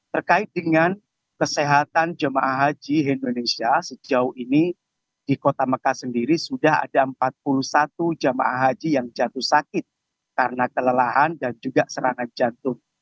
terkait dengan kesehatan jemaah haji indonesia sejauh ini di kota mekah sendiri sudah ada empat puluh satu jemaah haji yang jatuh sakit karena kelelahan dan juga serangan jantung